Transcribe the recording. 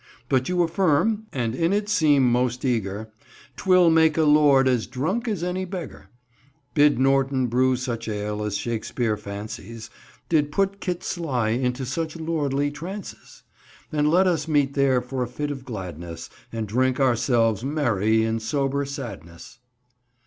But you affirm (and in it seem most eager) 'Twill make a Lord as drunk as any beggar, Bid Norton brew such ale as Shakespeare fancies, Did put Kit Sly into such lordly trances; And let us meet there for a fit of gladness, And drink ourselves merry in sober sadness."